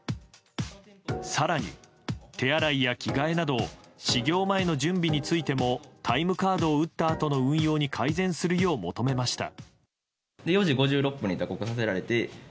更に、手洗いや着替えなど始業前の準備についてもタイムカード打ったあとの運用に改善するよう求めました。